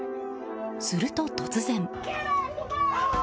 すると突然。